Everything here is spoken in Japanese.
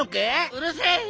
うるせえ！